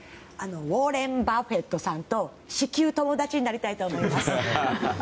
ウォーレン・バフェットさんと至急友達になりたいと思います。